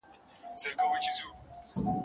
زما دي وینه تر هغه زلمي قربان سي